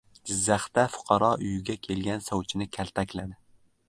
Jizzaxda fuqaro uyiga kelgan sovchini kaltakladi